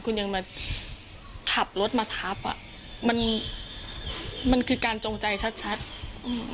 คุณยังมาขับรถมาทับอ่ะมันมันคือการจงใจชัดชัดอืม